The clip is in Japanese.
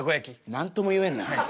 何とも言えんな。